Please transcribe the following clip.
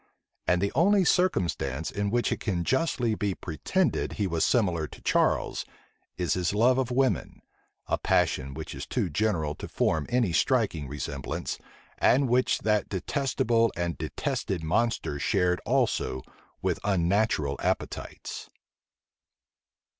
And the only circumstance in which it can justly be pretended he was similar to Charles, is his love of women, a passion which is too general to form any striking resemblance, and which that detestable and detested monster shared also with unnatural appetites.